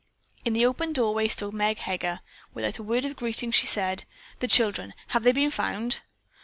In the open doorway stood Meg Heger. Without a word of greeting she said: "The children, have they been found?"